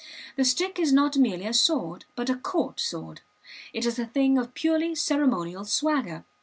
The stick is not merely a sword, but a court sword; it is a thing of purely ceremonial swagger.